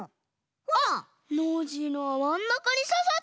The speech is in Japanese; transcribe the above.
あっノージーのはまんなかにささってる！